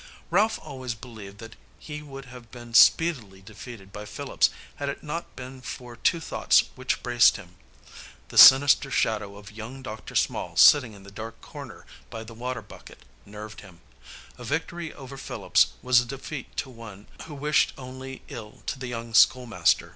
Ralph always believed that he would have been speedily defeated by Phillips had it not been for two thoughts which braced him. The sinister shadow of young Dr. Small sitting in the dark corner by the water bucket nerved him. A victory over Phillips was a defeat to one who wished only ill to the young school master.